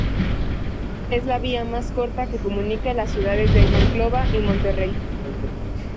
Es la vía más corta que comunica a las ciudades de Monclova y Monterrey.